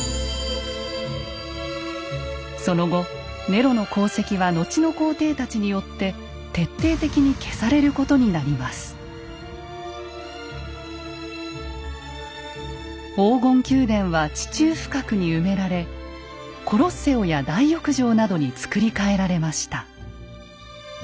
その後ネロの功績は後の皇帝たちによって黄金宮殿は地中深くに埋められコロッセオや大浴場などに造り替えられました。